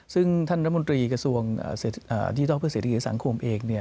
ซึ่งท่านรัฐมนตรีกระทรวงดิจิทัลเพื่อเศรษฐกิจสังคมเอง